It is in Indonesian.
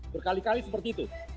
berkali kali seperti itu